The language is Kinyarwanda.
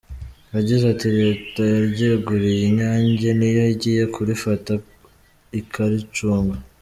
Yagize ati “Leta yaryeguriye Inyange niyo igiye kurifata ikaricunga.